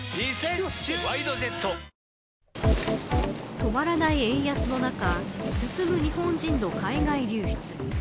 止まらない円安の中進む日本人の海外流出。